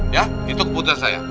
ya itu keputusan saya